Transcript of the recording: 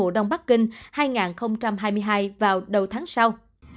đồng bắc kinh hai nghìn hai mươi hai vào đầu tháng sau